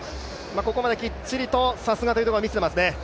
ここまできっちりさすがということで見せていますね。